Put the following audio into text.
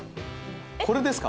これですか？